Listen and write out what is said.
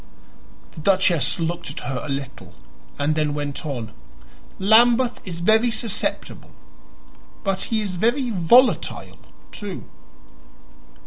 The duchess looked at her a little and then went on; "Lambeth is very susceptible, but he is very volatile, too."